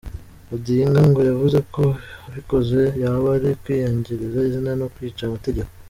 Odinga ngo yavuze ko abikoze yaba ari kwiyangiriza izina no kwica amategeko.